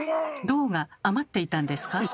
「銅が余っていたんですか？」。